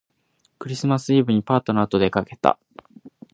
クリスマスイブにパートナーとでかけた